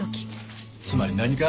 つまり何か？